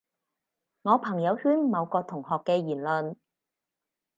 我朋友圈某個同學嘅言論